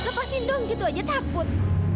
lepasin dong gitu aja takut